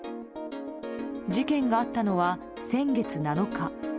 事件があったのは先月７日。